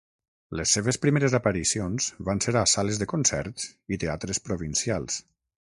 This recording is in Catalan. Les seves primeres aparicions van ser a sales de concerts i teatres provincials.